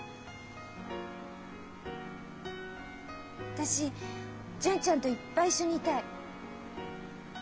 私純ちゃんといっぱい一緒にいたい。